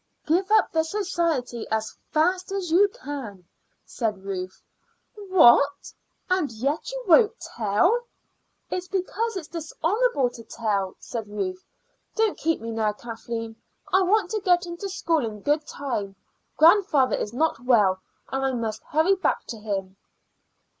"Give up the society as fast as you can," said Ruth. "What? And yet you won't tell!" "It's because it's dishonorable to tell," said Ruth. "Don't keep me now, Kathleen; I want to get into school in good time. Grandfather is not well, and I must hurry back to him."